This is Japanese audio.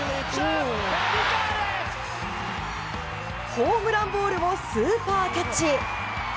ホームランボールをスーパーキャッチ！